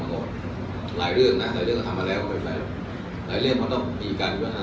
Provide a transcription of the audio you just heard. หรือไงจะว่าหรือไม่เป็นนี่หรือนั้น